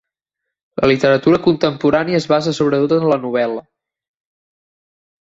La literatura contemporània es basa sobretot en la novel·la.